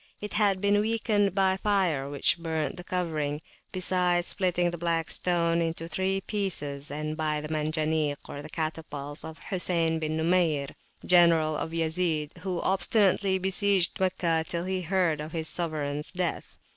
It had been weakened by fire, which burnt the covering, besides splitting the Black Stone into three pieces, and by the Manjanik (catapults) of Hosayn ([Arabic]) bin Numayr, general of Yazid, who obstinately besieged Meccah till he heard of his sovereigns death.